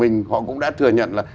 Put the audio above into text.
họ cũng đã thừa nhận là